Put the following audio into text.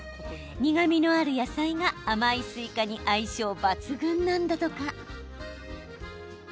苦みのある野菜が甘いスイカに相性抜群なんだとか。